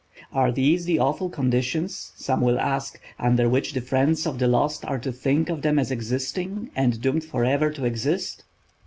Are these the awful conditions (some will ask) under which the friends of the lost are to think of them as existing, and doomed forever to exist?